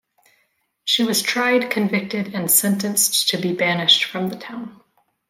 She was tried, convicted and sentenced to be banished from the town.